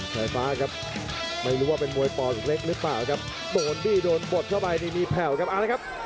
ไซฟ้าครับไม่รู้ว่ามวยปลอดสุดเล็กหรือเปล่าโตนทีโดนโตดเข้าไปมีแถวครับอาหล่ะครับ